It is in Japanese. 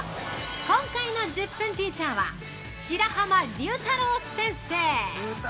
今回の「１０分ティーチャー」は白濱龍太郎先生。